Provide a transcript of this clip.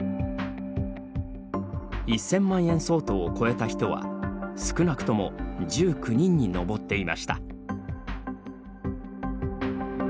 １０００万円相当を超えた人は少なくとも１９人に上っていました。